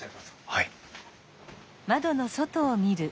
はい。